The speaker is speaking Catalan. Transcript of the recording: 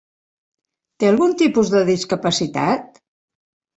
Té algun tipus de discapacitat?